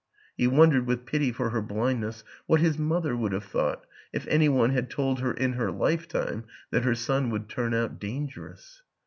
He wondered, with pity for her blindness, what his mother would have thought if any one had told her in her life time that her son would turn out dangerous.